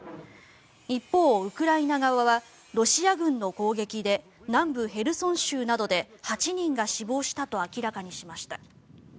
一方、ウクライナ側はロシア軍の攻撃で南部ヘルソン州などで８人が死亡したと明らかにしました。